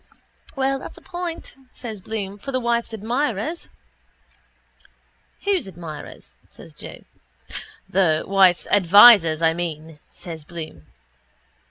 —Well, that's a point, says Bloom, for the wife's admirers. —Whose admirers? says Joe. —The wife's advisers, I mean, says Bloom.